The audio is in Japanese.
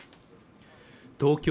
東京